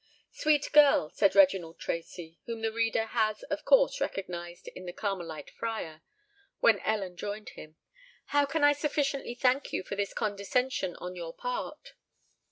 "Sweet girl," said Reginald Tracy (whom the reader has of course recognised in the Carmelite Friar), when Ellen joined him, "how can I sufficiently thank you for this condescension on your part?"